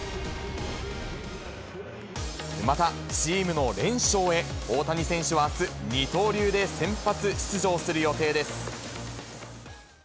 また、チームの連勝へ、大谷選手はあす、二刀流で先発出場する予定です。